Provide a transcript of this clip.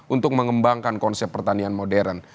untuk mengembangkan konsep pertanian modern